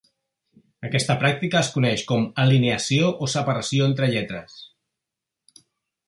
Aquesta pràctica es coneix com a alineació o separació entre lletres.